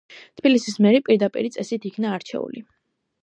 თბილისის მერი პირდაპირი წესით იქნა არჩეული.